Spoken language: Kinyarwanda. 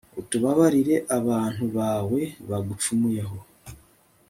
ubabarire abantu bawe bagucumuyeho